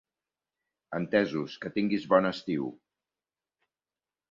Entesos. Que tinguis bon estiu!